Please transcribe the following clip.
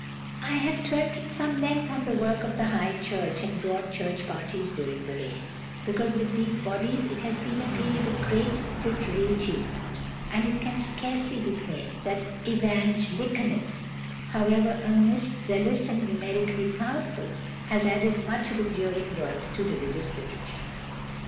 I have dwelt at some length on the work of the High Church and Broad Church parties during the reign, because with these bodies it has been a period of great literary achievement, and it can scarcely be claimed that Evangelicanism, however earnest, zealous, and numerically powerful, has added much of enduring worth to religious literature.